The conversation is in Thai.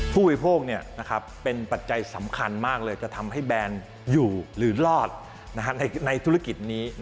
ผู้บริโภคเป็นปัจจัยสำคัญมากเลยจะทำให้แบรนด์อยู่หรือรอดในธุรกิจนี้